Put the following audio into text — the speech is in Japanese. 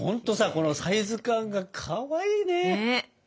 このサイズ感がかわいいね！